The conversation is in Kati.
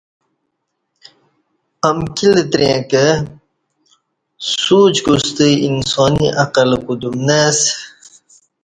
امکی لتریں کہ سوچ کوستہ انسانی عقلہ کودیوم نہ اسہ